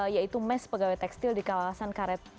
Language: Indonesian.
yaitu mes pegawai tekstil di kawasan karet